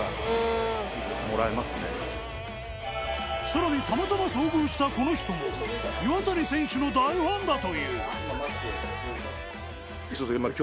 更にたまたま遭遇したこの人も岩谷選手の大ファンだという。